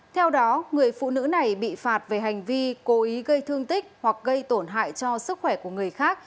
theo đó người phụ nữ này bị phạt về hành vi cố ý gây thương tích hoặc gây tổn hại cho sức khỏe của người khác